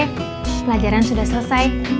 pelajaran sudah selesai